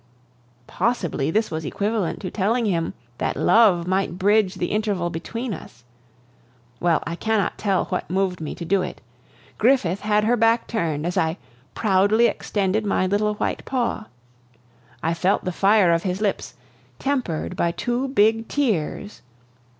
Possibly this was equivalent to telling him that love might bridge the interval between us. Well, I cannot tell what moved me to do it. Griffith had her back turned as I proudly extended my little white paw. I felt the fire of his lips, tempered by two big tears.